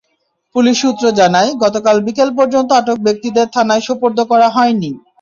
Police সূত্র জানায়, গতকাল বিকেল পর্যন্ত আটক ব্যক্তিদের থানায় সোপর্দ করা হয়নি।